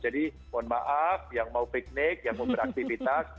jadi mohon maaf yang mau piknik yang mau beraktivitas